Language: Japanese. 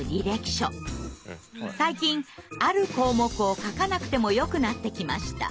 最近ある項目を書かなくてもよくなってきました。